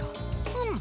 うむ。